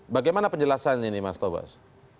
bagaimana penjelasannya ini mas tobas